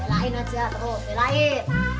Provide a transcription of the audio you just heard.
belain aja terus belain